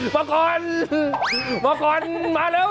มาก่อนมาก่อนมาเร็ว